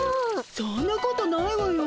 そんなことないわよ。